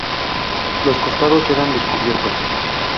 Los costados eran descubiertos.